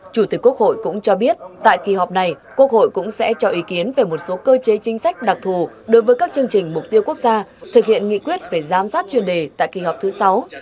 chủ tịch quốc hội cũng cho biết tại kỳ họp này quốc hội cũng sẽ cho ý kiến về một số cơ chế chính sách đặc thù đối với các chương trình mục tiêu quốc gia thực hiện nghị quyết về giám sát chuyên đề tại kỳ họp thứ sáu